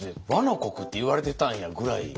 倭の国って言われてたんやぐらい。